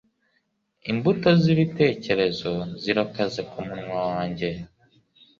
imbuto zibitekerezo zirakaze kumunwa wanjye